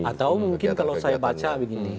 atau mungkin kalau saya baca begini